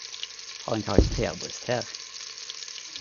Har ein karakterbrist her...